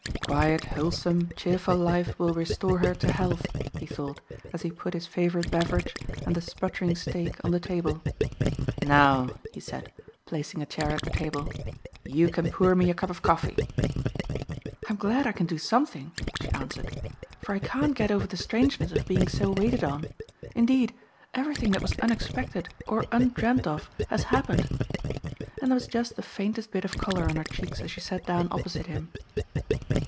"Quiet, wholesome, cheerful life will restore her to health," he thought, as he put his favorite beverage and the sputtering steak on the table. "Now," he said, placing a chair at the table, "you can pour me a cup of coffee." "I'm glad I can do something," she answered, "for I can't get over the strangeness of being so waited on. Indeed, everything that was unexpected or undreamt of has happened," and there was just the faintest bit of color on her cheeks as she sat down opposite him.